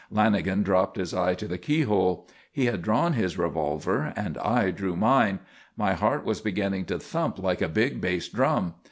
Lanagan dropped, his eye to the keyhole. He had drawn his revolver and I drew mine; my heart was beginning to thump like a big bass drum.